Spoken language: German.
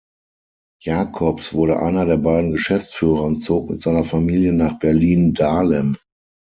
Jakobs wurde einer der beiden Geschäftsführer und zog mit seiner Familie nach Berlin-Dahlem.